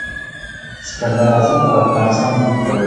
سکندر اعظم پر افغانستان برید کړی و.